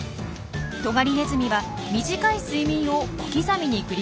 トガリネズミは短い睡眠を小刻みに繰り返します。